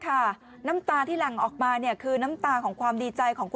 แล้วน้องป่วยเป็นเด็กออทิสติกของโรงเรียนศูนย์การเรียนรู้พอดีจังหวัดเชียงใหม่นะคะ